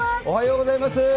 おはようございます。